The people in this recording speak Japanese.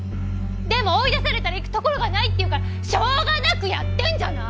でも追い出されたら行く所がないって言うからしょうがなくやってんじゃない！